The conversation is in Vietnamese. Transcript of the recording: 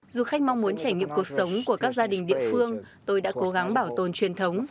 du khách mong muốn trải nghiệm cuộc sống của các gia đình địa phương tôi đã cố gắng bảo tồn truyền thống